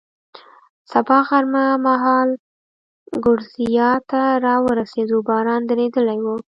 سبا غرمه مهال ګورېزیا ته را ورسېدو، باران درېدلی و.